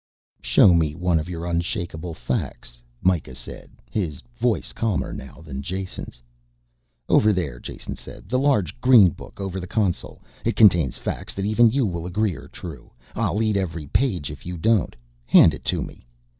"Show me one of your unshakeable facts," Mikah said, his voice calmer now than Jason's. "Over there," Jason said. "The large green book over the console. It contains facts that even you will agree are true I'll eat every page if you don't. Hand it to me."